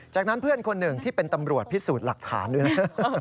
จากนั้นเพื่อนคนหนึ่งที่เป็นตำรวจพิสูจน์หลักฐานด้วยนะ